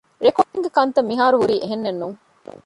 ރެކޯޑިންގގެ ކަންތައް މިހާރުހުރީ އެހެނެއްނޫން